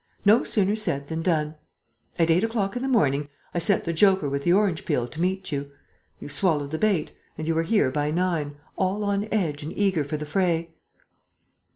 No sooner said than done. At eight o'clock in the morning, I sent the joker with the orange peel to meet you. You swallowed the bait; and you were here by nine, all on edge and eager for the fray."